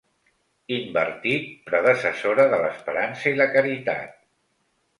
Invertit, predecessora de l'esperança i la caritat.